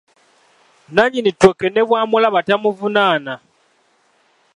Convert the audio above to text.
Nnannyini ttooke ne bwamulaba tamuvunaana.